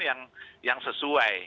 sari kata yang sesuai